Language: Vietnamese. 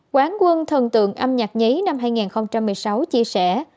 quán quân thần tượng âm nhạc nhí năm hai nghìn một mươi sáu chia sẻ